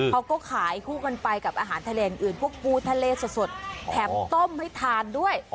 เขาก็ขายคู่กันไปกับอาหารทะเลอย่างอื่นพวกปูทะเลสดแถมต้มให้ทานด้วย